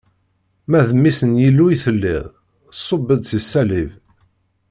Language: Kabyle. Ma d Mmi-s n Yillu i telliḍ, ṣubb-d si ṣṣalib.